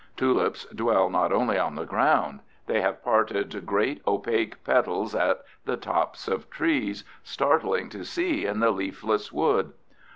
Tulips dwell not only on the ground; they have parted great, opaque petals at the tops of trees, startling to see in the leafless wood.